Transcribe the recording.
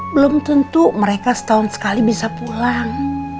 belum tentu mereka setahun sekali bisa pulang